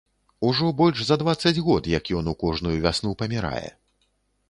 Ужо больш за дваццаць год, як ён у кожную вясну памірае.